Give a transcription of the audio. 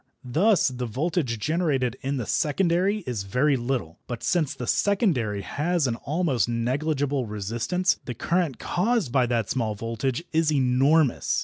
Thus the voltage generated in the secondary is very little, but since the secondary has an almost negligible resistance the current caused by that small voltage is enormous.